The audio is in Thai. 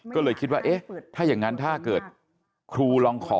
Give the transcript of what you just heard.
ก็เลยคิดว่าเอ๊ะถ้าอย่างนั้นถ้าเกิดครูลองขอ